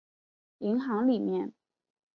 银行里面